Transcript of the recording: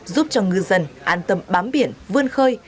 giúp cho ngư dân an tâm bám biển vươn khơi